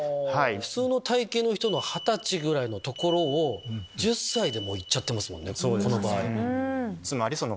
普通の体形の人の二十歳ぐらいの所を１０歳でいっちゃってますもんね。